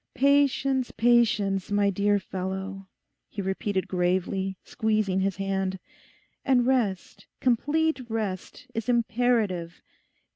'Patience, patience, my dear fellow,' he repeated gravely, squeezing his hand. 'And rest, complete rest, is imperative.